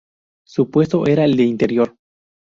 Su puesto era el de interior.